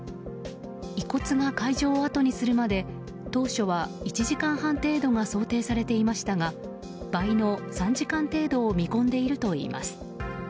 遺骨が会場をあとにするまで当初は１時間半程度が想定されていましたが倍の３時間程度を見込んでいるといいます。